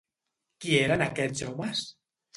Qui eren aquests homes?